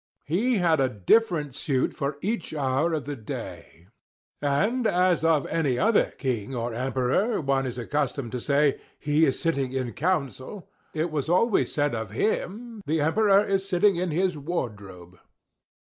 He had a different suit for each hour of the day; and as of any other king or emperor, one is accustomed to say, "he is sitting in council," it was always said of him, "The Emperor is sitting in his wardrobe."